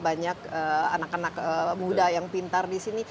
banyak anak anak muda yang pintar di sini